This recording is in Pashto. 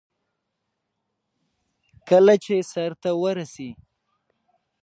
وردګ ولایت د ښکلاګانو ښار دی!